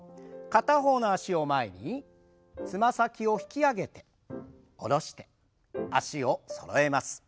片方の脚を前につま先を引き上げて下ろして脚をそろえます。